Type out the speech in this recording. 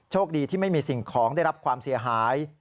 คดีที่ไม่มีสิ่งของได้รับความเสียหาย